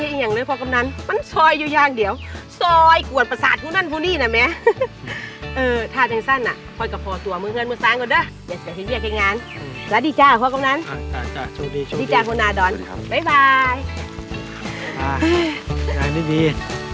ได้ไม่ดี